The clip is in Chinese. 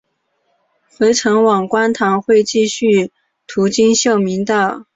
回程往观塘会继续途经秀明道。